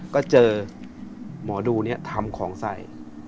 ก็เจอหมอดูทำของใส